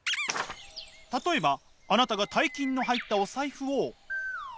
例えばあなたが大金の入ったお財布を。